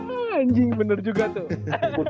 anjing bener juga tuh